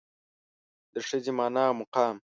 د ښځې مانا او مقام